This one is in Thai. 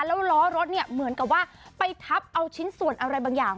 แล้วล้อรถเนี่ยเหมือนกับว่าไปทับเอาชิ้นส่วนอะไรบางอย่าง